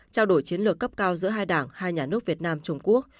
trao đổi chiến lược cấp cao giữa hai đảng hai nhà nước việt nam trung quốc